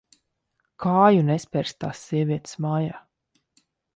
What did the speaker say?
Kāju nespersi tās sievietes mājā.